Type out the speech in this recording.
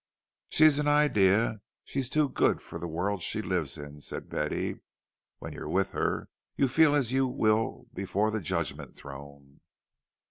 "She's an idea she's too good for the world she lives in," said Betty. "When you're with her, you feel as you will before the judgment throne."